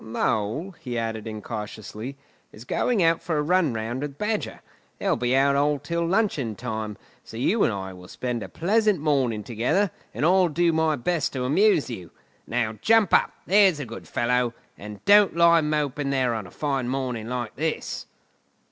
"Mole," he added incautiously, "is going out for a run round with Badger. They'll be out till luncheon time, so you and I will spend a pleasant morning together, and I'll do my best to amuse you. Now jump up, there's a good fellow, and don't lie moping there on a fine morning like this!"